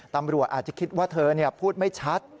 ตำรวจอาจจะคิดว่าเธอพูดไม่ชัด